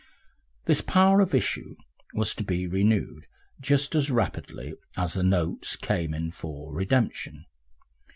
This power of issue was to be renewed just as rapidly as the notes came in for redemption.